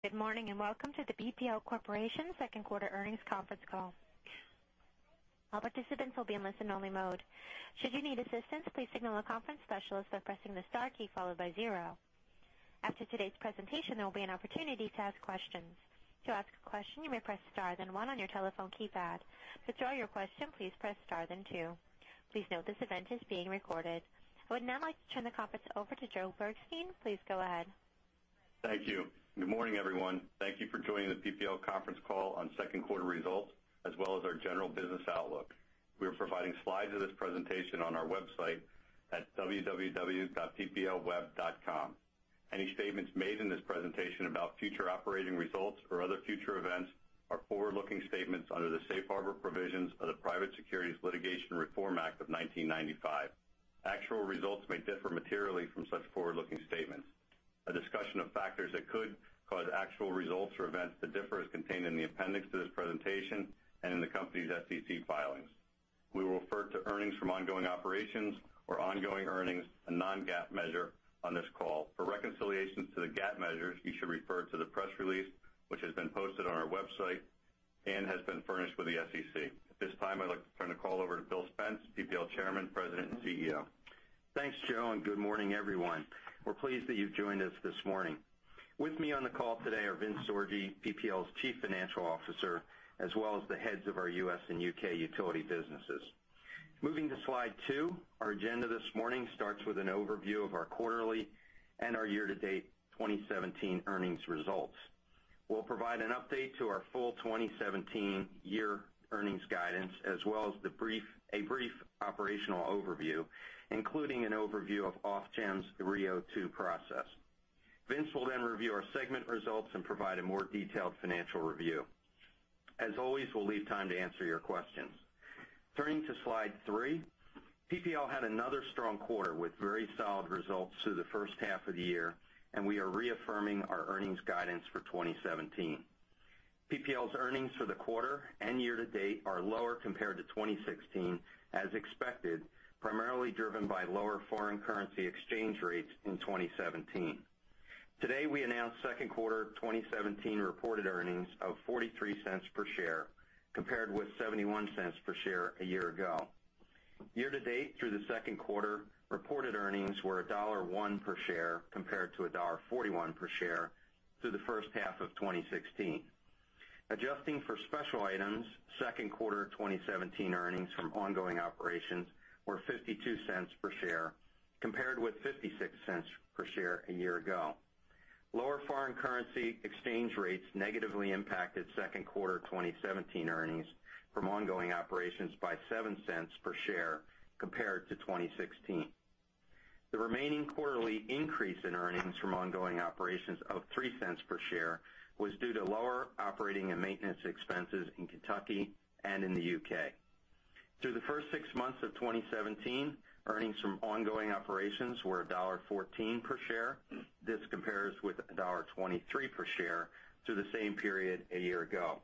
Good morning, welcome to the PPL Corporation second quarter earnings conference call. All participants will be in listen-only mode. Should you need assistance, please signal a conference specialist by pressing the star key followed by zero. After today's presentation, there will be an opportunity to ask questions. To ask a question, you may press star then one on your telephone keypad. To withdraw your question, please press star then two. Please note this event is being recorded. I would now like to turn the conference over to Joe Bergstein. Please go ahead. Thank you. Good morning, everyone. Thank you for joining the PPL conference call on second quarter results, as well as our general business outlook. We are providing slides of this presentation on our website at www.pplweb.com. Any statements made in this presentation about future operating results or other future events are forward-looking statements under the safe harbor provisions of the Private Securities Litigation Reform Act of 1995. Actual results may differ materially from such forward-looking statements. A discussion of factors that could cause actual results or events to differ is contained in the appendix to this presentation and in the company's SEC filings. We will refer to earnings from ongoing operations or ongoing earnings, a non-GAAP measure, on this call. For reconciliations to the GAAP measures, you should refer to the press release, which has been posted on our website and has been furnished with the SEC. At this time, I'd like to turn the call over to Bill Spence, PPL Chairman, President, and CEO. Thanks, Joe, good morning, everyone. We're pleased that you've joined us this morning. With me on the call today are Vince Sorgi, PPL's Chief Financial Officer, as well as the heads of our U.S. and U.K. utility businesses. Moving to slide two, our agenda this morning starts with an overview of our quarterly and our year-to-date 2017 earnings results. We'll provide an update to our full 2017 year earnings guidance as well as a brief operational overview, including an overview of Ofgem's RIIO 2 process. Vince will review our segment results and provide a more detailed financial review. As always, we'll leave time to answer your questions. Turning to slide three, PPL had another strong quarter with very solid results through the first half of the year, we are reaffirming our earnings guidance for 2017. PPL's earnings for the quarter and year-to-date are lower compared to 2016, as expected, primarily driven by lower foreign currency exchange rates in 2017. Today, we announced second quarter 2017 reported earnings of $0.43 per share, compared with $0.71 per share a year ago. Year-to-date through the second quarter, reported earnings were $1.01 per share compared to $1.41 per share through the first half of 2016. Adjusting for special items, second quarter 2017 earnings from ongoing operations were $0.52 per share, compared with $0.56 per share a year ago. Lower foreign currency exchange rates negatively impacted second quarter 2017 earnings from ongoing operations by $0.07 per share compared to 2016. The remaining quarterly increase in earnings from ongoing operations of $0.03 per share was due to lower operating and maintenance expenses in Kentucky and in the U.K. Through the first six months of 2017, earnings from ongoing operations were $1.14 per share. This compares with $1.23 per share through the same period a year ago.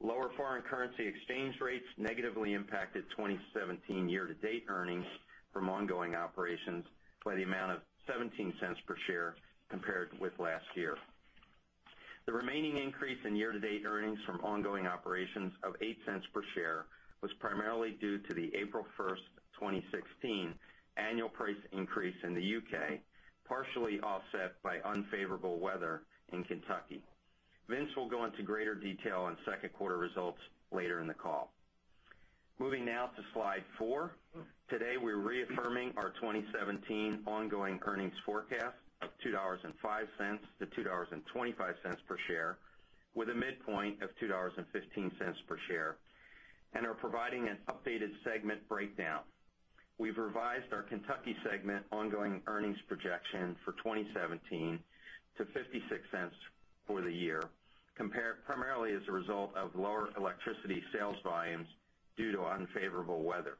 Lower foreign currency exchange rates negatively impacted 2017 year-to-date earnings from ongoing operations by the amount of $0.17 per share compared with last year. The remaining increase in year-to-date earnings from ongoing operations of $0.08 per share was primarily due to the April 1st, 2016, annual price increase in the U.K., partially offset by unfavorable weather in Kentucky. Vince will go into greater detail on second quarter results later in the call. Moving now to slide four. Today, we're reaffirming our 2017 ongoing earnings forecast of $2.05 to $2.25 per share with a midpoint of $2.15 per share, and are providing an updated segment breakdown. We've revised our Kentucky segment ongoing earnings projection for 2017 to $0.56 for the year, primarily as a result of lower electricity sales volumes due to unfavorable weather.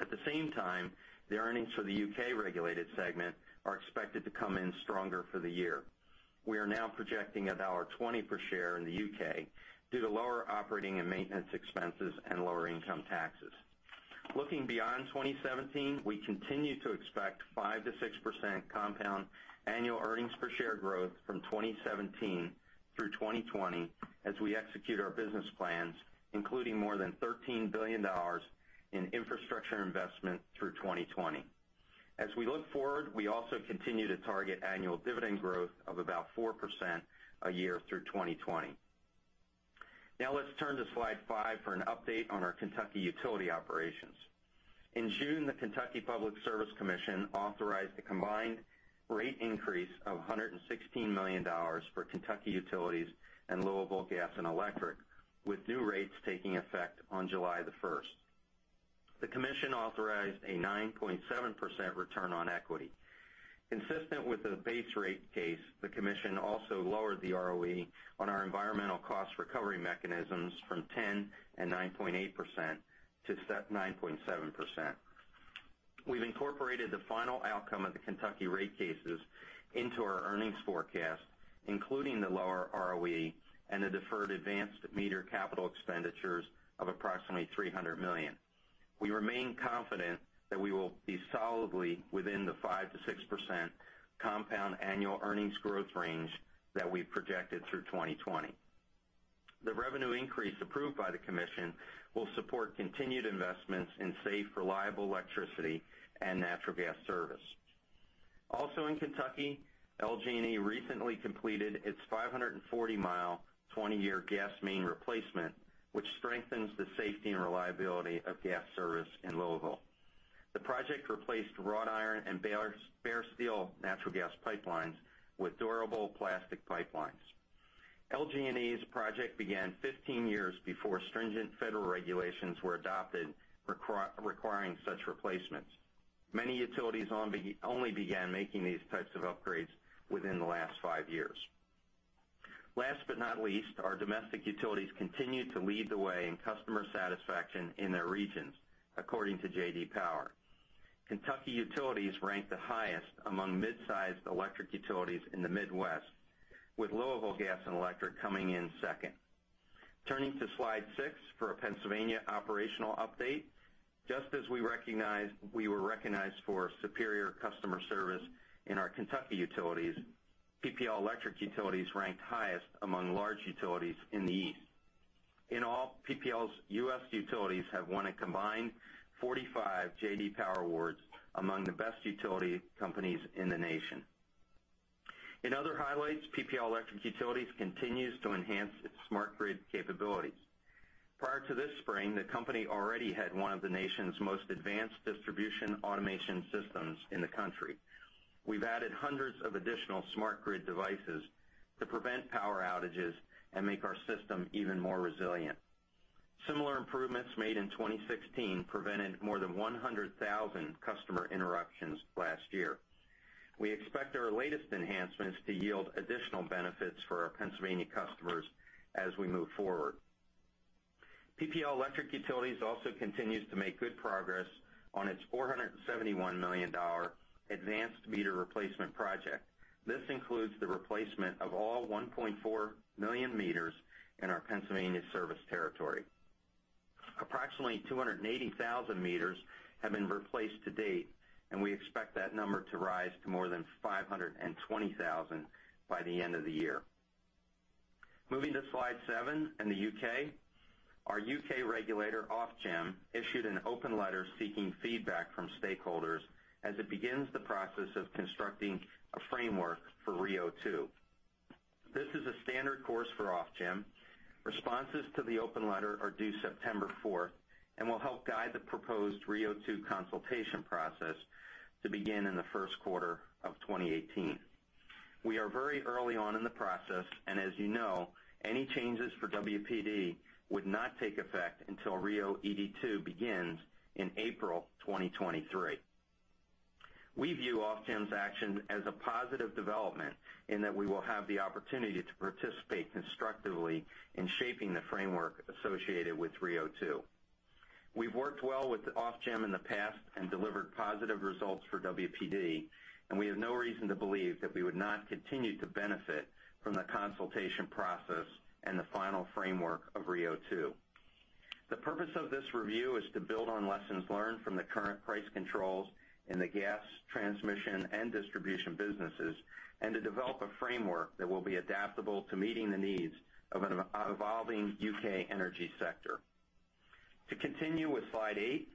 At the same time, the earnings for the U.K. regulated segment are expected to come in stronger for the year. We are now projecting $1.20 per share in the U.K. due to lower operating and maintenance expenses and lower income taxes. Looking beyond 2017, we continue to expect 5%-6% compound annual earnings per share growth from 2017 through 2020 as we execute our business plans, including more than $13 billion in infrastructure investment through 2020. As we look forward, we also continue to target annual dividend growth of about 4% a year through 2020. Now let's turn to slide five for an update on our Kentucky utility operations. In June, the Kentucky Public Service Commission authorized a combined rate increase of $116 million for Kentucky Utilities and Louisville Gas and Electric, with new rates taking effect on July 1st. The commission authorized a 9.7% return on equity. Consistent with the base rate case, the commission also lowered the ROE on our environmental cost recovery mechanisms from 10% and 9.8% to 9.7%. We've incorporated the final outcome of the Kentucky rate cases into our earnings forecast, including the lower ROE and the deferred advanced meter capital expenditures of approximately $300 million. We remain confident that we will be solidly within the 5%-6% compound annual earnings growth range that we've projected through 2020. The revenue increase approved by the commission will support continued investments in safe, reliable electricity and natural gas service. Also in Kentucky, LG&E recently completed its 540-mile, 20-year gas main replacement, which strengthens the safety and reliability of gas service in Louisville. The project replaced wrought iron and bare steel natural gas pipelines with durable plastic pipelines. LG&E's project began 15 years before stringent federal regulations were adopted requiring such replacements. Many utilities only began making these types of upgrades within the last five years. Last but not least, our domestic utilities continue to lead the way in customer satisfaction in their regions, according to J.D. Power. Kentucky Utilities ranked the highest among mid-sized electric utilities in the Midwest, with Louisville Gas & Electric coming in second. Turning to slide six for a Pennsylvania operational update. Just as we were recognized for superior customer service in our Kentucky utilities, PPL Electric Utilities ranked highest among large utilities in the East. In all, PPL's U.S. utilities have won a combined 45 J.D. Power awards among the best utility companies in the nation. In other highlights, PPL Electric Utilities continues to enhance its smart grid capabilities. Prior to this spring, the company already had one of the nation's most advanced distribution automation systems in the country. We've added hundreds of additional smart grid devices to prevent power outages and make our system even more resilient. Similar improvements made in 2016 prevented more than 100,000 customer interruptions last year. We expect our latest enhancements to yield additional benefits for our Pennsylvania customers as we move forward. PPL Electric Utilities also continues to make good progress on its $471 million advanced meter replacement project. This includes the replacement of all 1.4 million meters in our Pennsylvania service territory. Approximately 280,000 meters have been replaced to date, and we expect that number to rise to more than 520,000 by the end of the year. Moving to slide seven and the U.K. Our U.K. regulator, Ofgem, issued an open letter seeking feedback from stakeholders as it begins the process of constructing a framework for RIIO 2. This is a standard course for Ofgem. Responses to the open letter are due September 4th and will help guide the proposed RIIO 2 consultation process to begin in the first quarter of 2018. We are very early on in the process, and as you know, any changes for WPD would not take effect until RIIO-ED2 begins in April 2023. We view Ofgem's action as a positive development in that we will have the opportunity to participate constructively in shaping the framework associated with RIIO 2. We've worked well with Ofgem in the past and delivered positive results for WPD, and we have no reason to believe that we would not continue to benefit from the consultation process and the final framework of RIIO 2. The purpose of this review is to build on lessons learned from the current price controls in the gas transmission and distribution businesses and to develop a framework that will be adaptable to meeting the needs of an evolving U.K. energy sector. To continue with slide eight,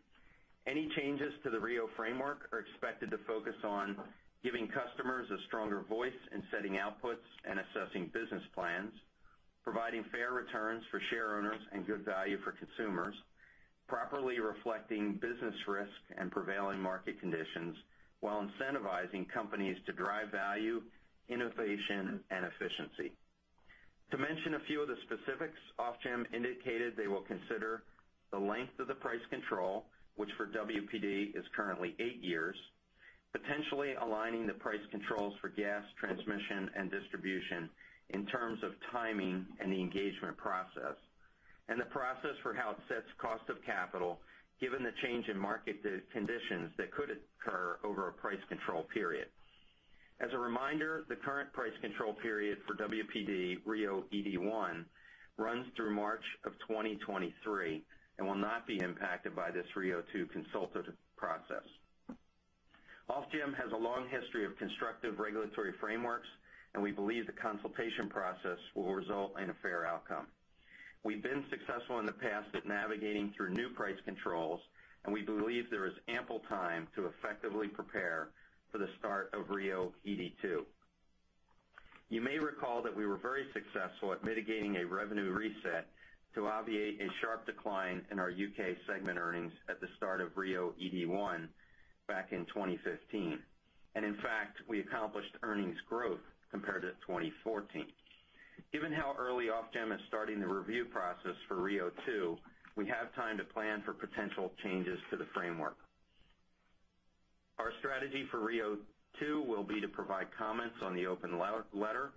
any changes to the RIIO framework are expected to focus on giving customers a stronger voice in setting outputs and assessing business plans, providing fair returns for shareowners and good value for consumers, properly reflecting business risk and prevailing market conditions, while incentivizing companies to drive value, innovation, and efficiency. To mention a few of the specifics, Ofgem indicated they will consider the length of the price control, which for WPD is currently eight years, potentially aligning the price controls for gas transmission and distribution in terms of timing and the engagement process. The process for how it sets cost of capital, given the change in market conditions that could occur over a price control period. As a reminder, the current price control period for WPD RIIO-ED1 runs through March of 2023 and will not be impacted by this RIIO 2 consultative process. Ofgem has a long history of constructive regulatory frameworks, we believe the consultation process will result in a fair outcome. We've been successful in the past at navigating through new price controls, and we believe there is ample time to effectively prepare for the start of RIIO-ED2. You may recall that we were very successful at mitigating a revenue reset to obviate a sharp decline in our U.K. segment earnings at the start of RIIO-ED1 back in 2015. In fact, we accomplished earnings growth compared to 2014. Given how early Ofgem is starting the review process for RIIO 2, we have time to plan for potential changes to the framework. Our strategy for RIIO 2 will be to provide comments on the open letter,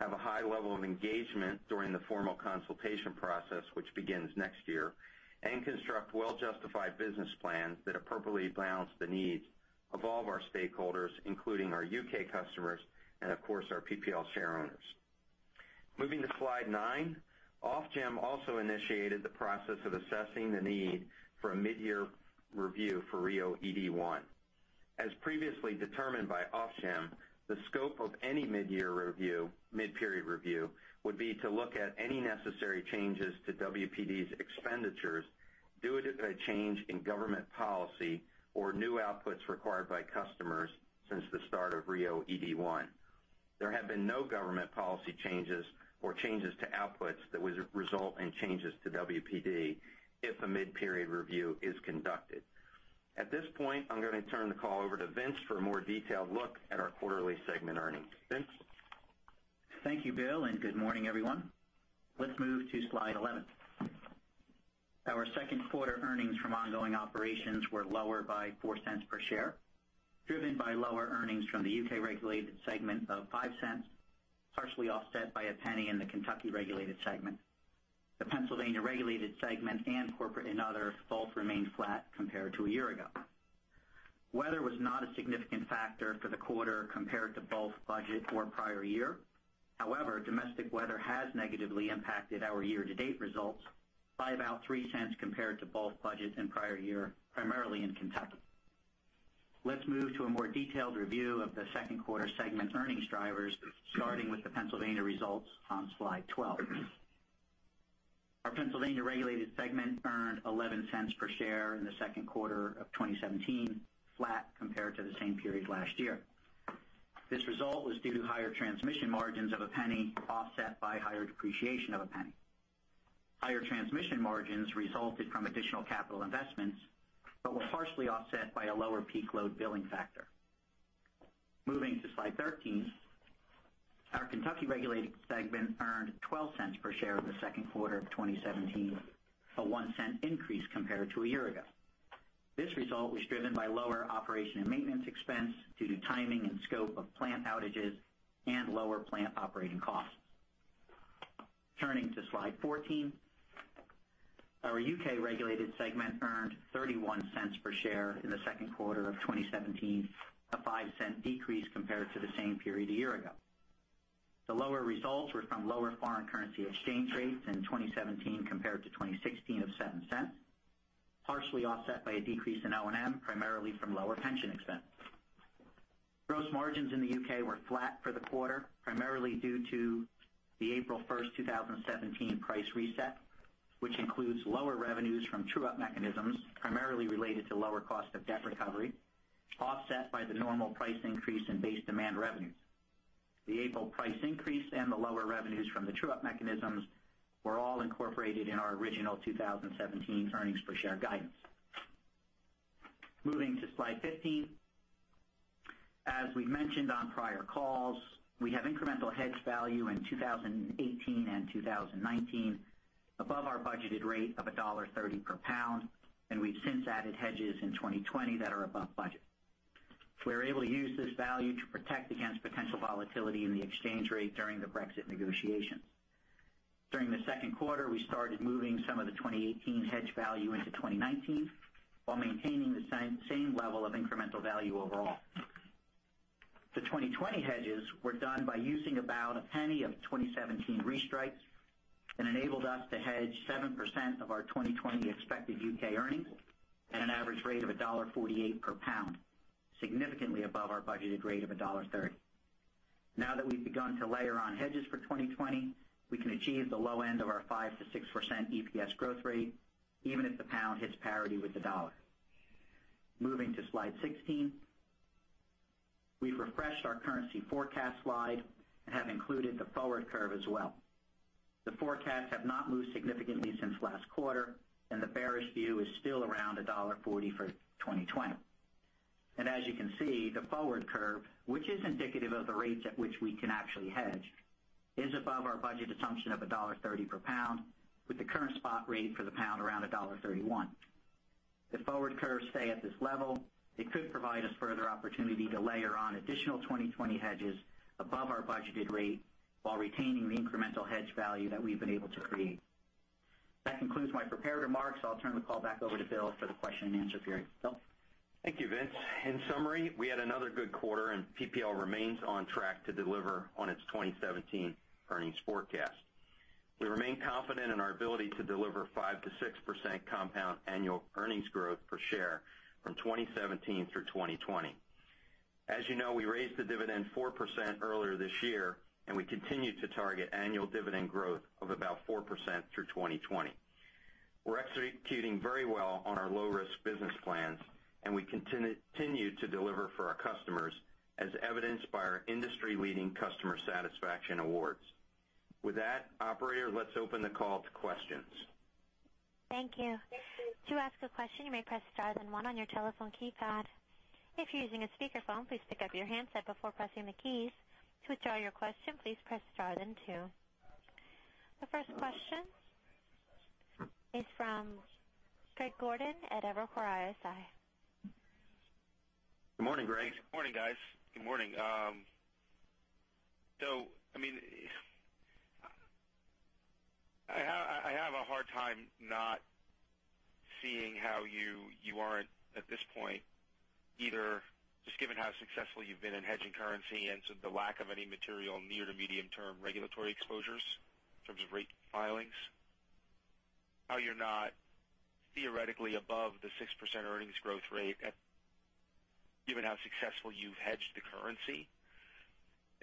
have a high level of engagement during the formal consultation process, which begins next year, and construct well-justified business plans that appropriately balance the needs of all of our stakeholders, including our U.K. customers and of course, our PPL shareowners. Moving to slide nine. Ofgem also initiated the process of assessing the need for a mid-year review for RIIO-ED1. As previously determined by Ofgem, the scope of any mid-period review would be to look at any necessary changes to WPD's expenditures due to a change in government policy or new outputs required by customers since the start of RIIO-ED1. There have been no government policy changes or changes to outputs that would result in changes to WPD if a mid-period review is conducted. At this point, I'm going to turn the call over to Vince for a more detailed look at our quarterly segment earnings. Vince? Thank you, Bill. Good morning, everyone. Let's move to slide 11. Our second quarter earnings from ongoing operations were lower by $0.04 per share, driven by lower earnings from the U.K.-regulated segment of $0.05, partially offset by $0.01 in the Kentucky regulated segment. The Pennsylvania regulated segment and corporate and other both remained flat compared to a year ago. Weather was not a significant factor for the quarter compared to both budget or prior year. However, domestic weather has negatively impacted our year-to-date results by about $0.03 compared to both budget and prior year, primarily in Kentucky. Let's move to a more detailed review of the second quarter segment earnings drivers, starting with the Pennsylvania results on slide 12. Our Pennsylvania-regulated segment earned $0.11 per share in the second quarter of 2017, flat compared to the same period last year. This result was due to higher transmission margins of $0.01 offset by higher depreciation of $0.01. Higher transmission margins resulted from additional capital investments but were partially offset by a lower peak load billing factor. Moving to slide 13. Our Kentucky-regulated segment earned $0.12 per share in the second quarter of 2017, a $0.01 increase compared to a year ago. This result was driven by lower operation and maintenance expense due to timing and scope of plant outages and lower plant operating costs. Turning to slide 14. Our U.K.-regulated segment earned $0.31 per share in the second quarter of 2017, a $0.05 decrease compared to the same period a year ago. The lower results were from lower foreign currency exchange rates in 2017 compared to 2016 of $0.07, partially offset by a decrease in O&M, primarily from lower pension expense. Gross margins in the U.K. were flat for the quarter, primarily due to the April 1st, 2017, price reset, which includes lower revenues from true-up mechanisms, primarily related to lower cost of debt recovery, offset by the normal price increase in base demand revenues. The April price increase and the lower revenues from the true-up mechanisms were all incorporated in our original 2017 earnings per share guidance. Moving to slide 15. As we've mentioned on prior calls, we have incremental hedge value in 2018 and 2019 above our budgeted rate of $1.30 per pound, and we've since added hedges in 2020 that are above budget. We were able to use this value to protect against potential volatility in the exchange rate during the Brexit negotiations. During the second quarter, we started moving some of the 2018 hedge value into 2019 while maintaining the same level of incremental value overall. The 2020 hedges were done by using about $0.01 of 2017 restrikes and enabled us to hedge 7% of our 2020 expected U.K. earnings at an average rate of $1.48 per pound, significantly above our budgeted rate of $1.30. Now that we've begun to layer on hedges for 2020, we can achieve the low end of our 5%-6% EPS growth rate, even if the pound hits parity with the dollar. Moving to slide 16. We've refreshed our currency forecast slide and have included the forward curve as well. The forecasts have not moved significantly since last quarter, and the bearish view is still around $1.40 for 2020. As you can see, the forward curve, which is indicative of the rates at which we can actually hedge, is above our budgeted assumption of $1.30 per pound, with the current spot rate for the pound around $1.31. If forward curves stay at this level, it could provide us further opportunity to layer on additional 2020 hedges above our budgeted rate while retaining the incremental hedge value that we've been able to create. That concludes my prepared remarks. I'll turn the call back over to Bill for the question and answer period. Bill? Thank you, Vince. In summary, we had another good quarter, and PPL remains on track to deliver on its 2017 earnings forecast. We remain confident in our ability to deliver 5%-6% compound annual earnings growth per share from 2017 through 2020. As you know, we raised the dividend 4% earlier this year, and we continue to target annual dividend growth of about 4% through 2020. We're executing very well on our low-risk business plans, and we continue to deliver for our customers, as evidenced by our industry-leading customer satisfaction awards. With that, operator, let's open the call to questions. Thank you. To ask a question, you may press star then one on your telephone keypad. If you're using a speakerphone, please pick up your handset before pressing the keys. To withdraw your question, please press star then two. The first question is from Greg Gordon at Evercore ISI. Good morning, Greg. Good morning, guys. Good morning. I have a hard time not seeing how you aren't, at this point, either just given how successful you've been in hedging currency and the lack of any material near to medium-term regulatory exposures in terms of rate filings, how you're not theoretically above the 6% earnings growth rate given how successful you've hedged the currency.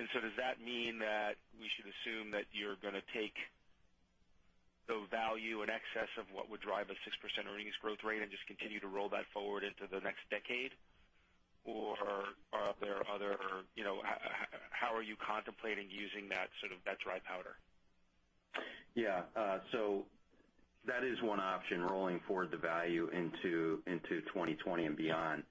Does that mean that we should assume that you're going to take the value in excess of what would drive a 6% earnings growth rate and just continue to roll that forward into the next decade? How are you contemplating using that dry powder? That is one option, rolling forward the value into 2020 and beyond.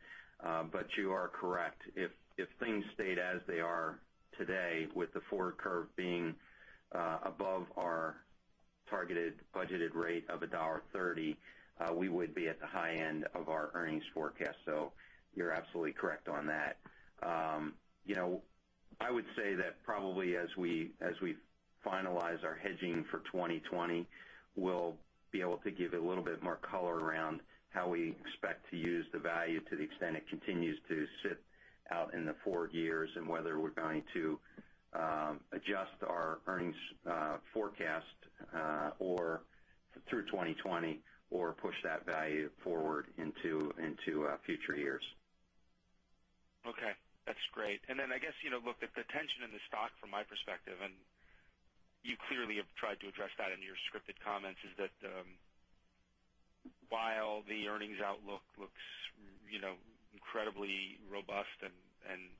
You are correct. If things stayed as they are today with the forward curve being above our targeted budgeted rate of $1.30, we would be at the high end of our earnings forecast. You're absolutely correct on that. I would say that probably as we finalize our hedging for 2020, we'll be able to give a little bit more color around how we expect to use the value to the extent it continues to sit out in the forward years and whether we're going to adjust our earnings forecast through 2020 or push that value forward into future years. Okay. That's great. I guess, look, the tension in the stock from my perspective, and you clearly have tried to address that in your scripted comments, is that while the earnings outlook looks incredibly robust and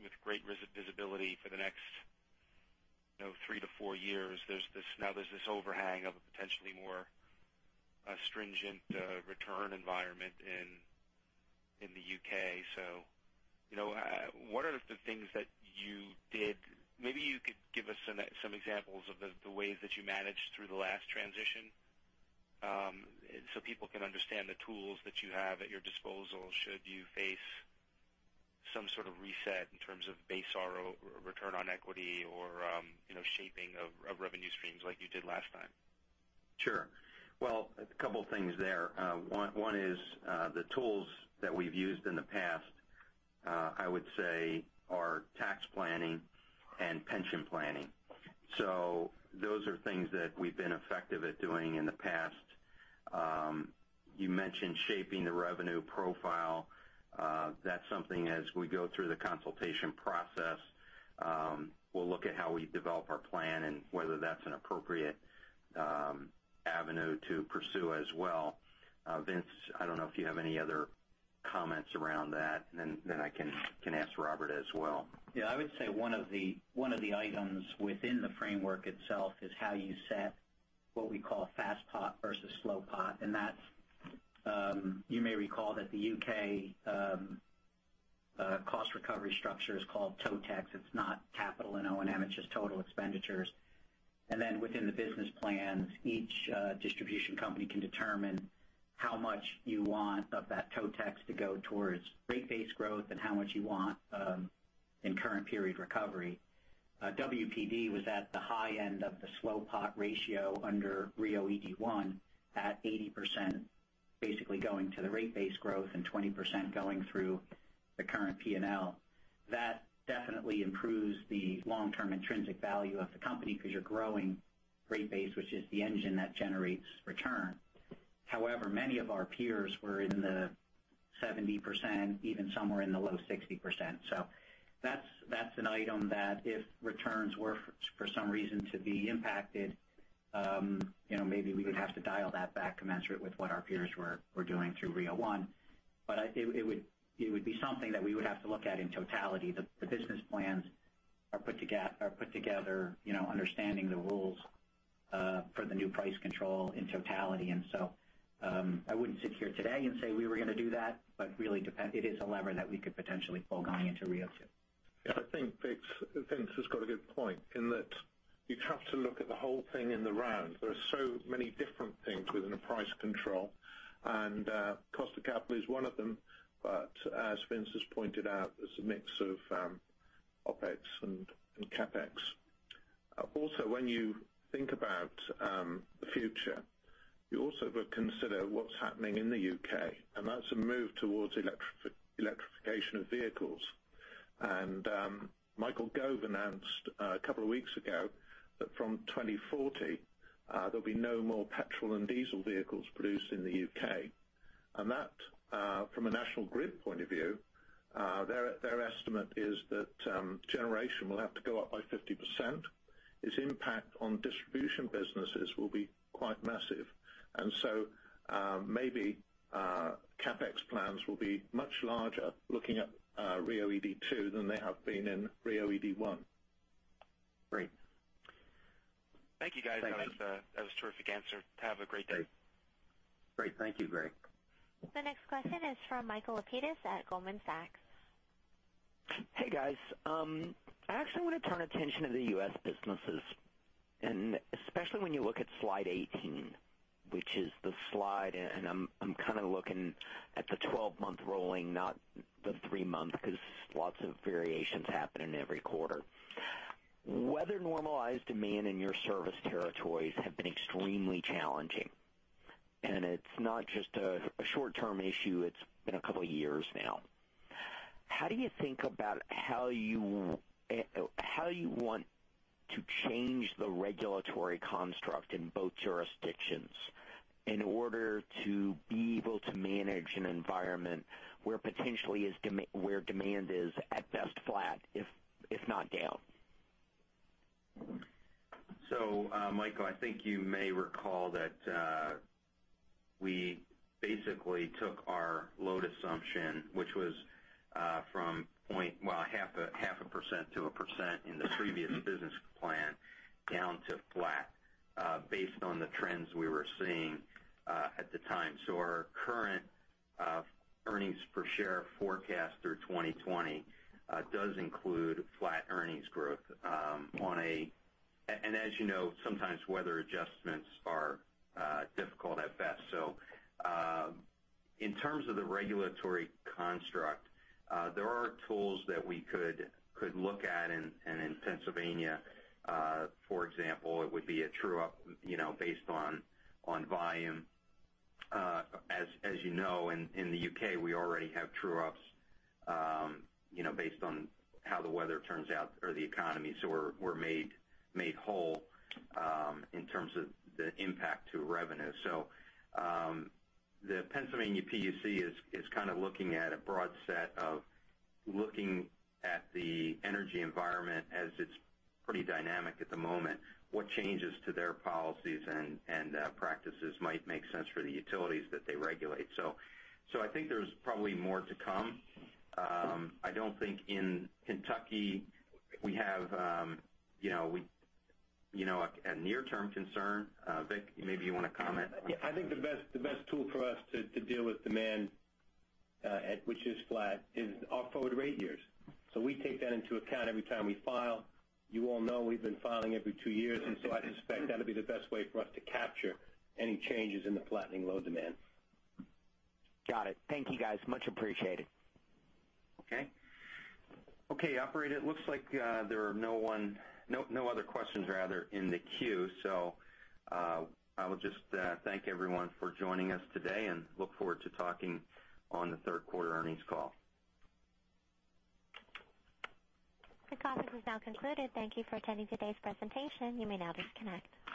with great visibility for the next three to four years, now there's this overhang of a potentially more stringent return environment in the U.K. What are the things that you did? Maybe you could give us some examples of the ways that you managed through the last transition so people can understand the tools that you have at your disposal should you face some sort of reset in terms of base ROE, return on equity, or shaping of revenue streams like you did last time. Sure. Well, a couple things there. One is the tools that we've used in the past, I would say, are tax planning and pension planning. Those are things that we've been effective at doing in the past. You mentioned shaping the revenue profile. That's something as we go through the consultation process, we'll look at how we develop our plan and whether that's an appropriate avenue to pursue as well. Vince, I don't know if you have any other comments around that, and then I can ask Robert as well. Yeah, I would say one of the items within the framework itself is how you set what we call fast pot versus slow pot. You may recall that the U.K. cost recovery structure is called TOTEX. It's not capital and O&M, it's just total expenditures. Within the business plans, each distribution company can determine how much you want of that TOTEX to go towards rate base growth and how much you want in current period recovery. WPD was at the high end of the slow pot ratio under RIIO-ED1 at 80%, basically going to the rate base growth and 20% going through the current P&L. That definitely improves the long-term intrinsic value of the company because you're growing rate base, which is the engine that generates return. However, many of our peers were in the 70%, even somewhere in the low 60%. That's an item that if returns were for some reason to be impacted, maybe we would have to dial that back commensurate with what our peers were doing through RIIO-1. It would be something that we would have to look at in totality. The business plans are put together understanding the rules for the new price control in totality. I wouldn't sit here today and say we were going to do that, but really it is a lever that we could potentially pull going into RIIO 2. Yeah, I think Vince has got a good point in that you have to look at the whole thing in the round. There are so many different things within a price control, and cost of capital is one of them. As Vince has pointed out, there's a mix of OpEx and CapEx. When you think about the future, you also would consider what's happening in the U.K., and that's a move towards electrification of vehicles. Michael Gove announced a couple of weeks ago that from 2040, there'll be no more petrol and diesel vehicles produced in the U.K. That, from a National Grid point of view, their estimate is that generation will have to go up by 50%. Its impact on distribution businesses will be quite massive. Maybe CapEx plans will be much larger looking at RIIO-ED2 than they have been in RIIO-ED1. Great. Thank you, guys. Thank you. That was a terrific answer. Have a great day. Great. Thank you, Greg. The next question is from Michael Lapides at Goldman Sachs. Hey, guys. I actually want to turn attention to the U.S. businesses, and especially when you look at slide 18 Which is the slide, I'm kind of looking at the 12-month rolling, not the three-month, because lots of variations happen in every quarter. Weather-normalized demand in your service territories have been extremely challenging. It's not just a short-term issue, it's been a couple of years now. How do you think about how you want to change the regulatory construct in both jurisdictions in order to be able to manage an environment where potentially demand is, at best, flat, if not down? Michael, I think you may recall that we basically took our load assumption, which was from half a percent to a percent in the previous business plan, down to flat based on the trends we were seeing at the time. Our current earnings per share forecast through 2020 does include flat earnings growth. As you know, sometimes weather adjustments are difficult at best. In terms of the regulatory construct, there are tools that we could look at. In Pennsylvania, for example, it would be a true-up based on volume. As you know, in the U.K., we already have true-ups based on how the weather turns out or the economy. We're made whole in terms of the impact to revenue. The Pennsylvania PUC is kind of looking at a broad set of the energy environment as it's pretty dynamic at the moment, what changes to their policies and practices might make sense for the utilities that they regulate. I think there's probably more to come. I don't think in Kentucky we have a near-term concern. Vic, maybe you want to comment? I think the best tool for us to deal with demand, which is flat, is our forward rate years. We take that into account every time we file. You all know we've been filing every two years, I'd expect that'll be the best way for us to capture any changes in the flattening load demand. Got it. Thank you, guys. Much appreciated. Okay, operator, it looks like there are no other questions in the queue. I will just thank everyone for joining us today and look forward to talking on the third quarter earnings call. This conference has now concluded. Thank you for attending today's presentation. You may now disconnect.